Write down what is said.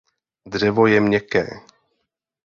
Dřevo je měkké.